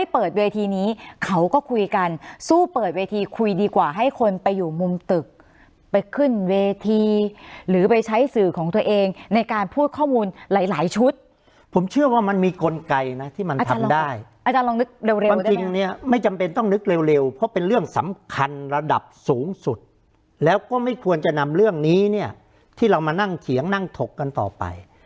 ไปอยู่มุมตึกไปขึ้นเวทีหรือใช้สื่อของตัวเองในการพูดข้อมูลหลายชุดผมเชื่อว่ามันมีกลไกที่มันทำได้เอาล่ะลองนึกเร็วบีเนี่ยไม่จำเป็นต้องนึกเร็วเพราะเป็นเรื่องสำคัญระดับสูงสุดแล้วก็ไม่ควรจะนำเรื่องนี้เนี่ยที่เรามานั่งเฉียงนั่งตกกันต่อไป